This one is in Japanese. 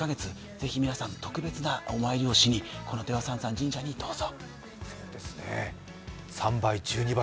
ぜひ皆さん特別なお参りをしにこの出羽三山神社にどうぞ。